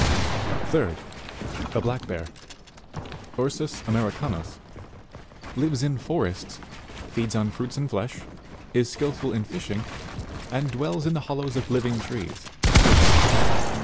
10. 3d. The Black Bear Ursits Jlmericanus lives in forests, feeds on fruits and flesh, is skilful in fishing, and dwells in the hollows of living trees.